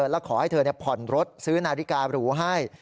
แล้วขอให้เธอผ่อนรถซื้อนาฬิการูให้